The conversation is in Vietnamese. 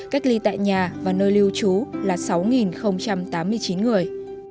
cách ly tại nhà và nơi lưu trú là sáu tám mươi chín người